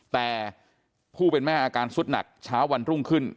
แต่ผู้เป็นแม่อาการสุดหนักเช้าวันรุ่งขึ้น